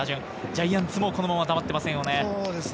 ジャイアンツもこのまま黙ってませんよね。